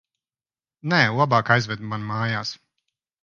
Nē, labāk aizved mani mājās.